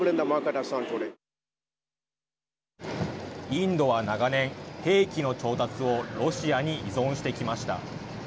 インドは長年、兵器の調達をロシアに依存してきました。